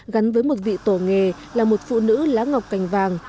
gắn với một vị tổ nghề là một phụ nữ lá ngọc cành vàng